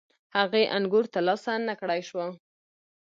هغې انګور ترلاسه نه کړای شول.